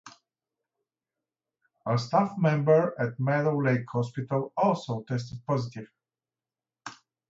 A staff member at Meadow Lake Hospital also tested positive.